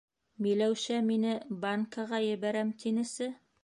Миләүшә мине банкаға ебәрәм тинесе.